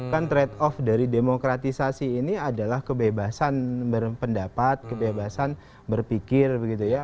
kan trade off dari demokratisasi ini adalah kebebasan berpendapat kebebasan berpikir begitu ya